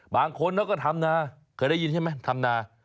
บางคนเขาก็ทำนาเคยได้ยินใช่ไหมทำนา